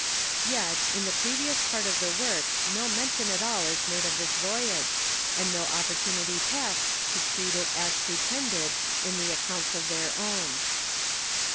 Yet in tho previous part of the work no mention at all is made of this voyage, and no opportunity passed to treat it as pretended in tho accounts of their own.